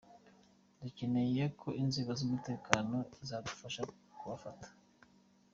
dukeneye ko inzego z’umutekano zadufasha kubafata.